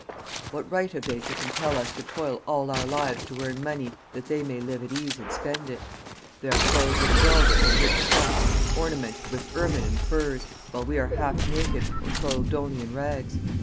What right have they to compel us to toil all our lives to earn money, that they may live at ease and spend it? They are clothed in velvets and rich stuffs, ornamented with ermine and furs, while we are half naked, or clothed only in rags.